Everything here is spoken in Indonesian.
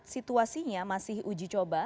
situasinya masih uji coba